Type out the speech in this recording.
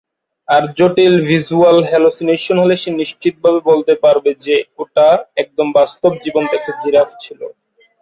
আর জটিল visual hallucination হলে সে নিশ্চিতভাবে বলতে পারবে যে, ওটা একদম বাস্তব জীবন্ত একটা জিরাফ ছিল।